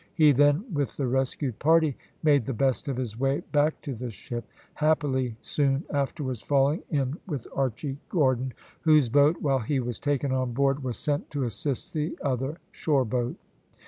He then, with the rescued party, made the best of his way back to the ship, happily soon afterwards falling in with Archy Gordon; whose boat, while he was taken on board, was sent to assist the other shore boat.